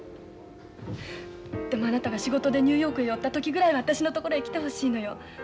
でもあなたが仕事でニューヨークへ寄った時ぐらいは私のところへ来てほしいのよ。